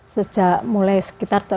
sejak mulai sekitar tahun dua ribu